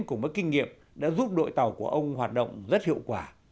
cùng với kinh nghiệm đã giúp đội tàu của ông hoạt động rất hiệu quả